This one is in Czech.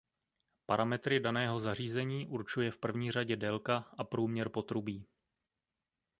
Parametry daného zařízení určuje v první řadě délka a průměr potrubí.